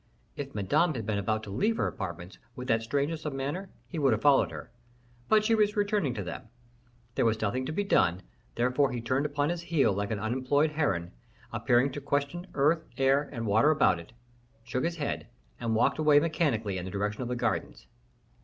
If Madame had been about to leave her apartments with that strangeness of manner, he would have followed her; but she was returning to them; there was nothing to be done, therefore he turned upon his heel like an unemployed heron, appearing to question earth, air, and water about it; shook his head, and walked away mechanically in the direction of the gardens.